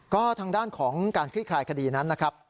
ก็ทางด้านของการคลี่คลายคดีนั้นนะครับ